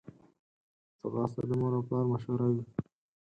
ځغاسته د مور او پلار مشوره وي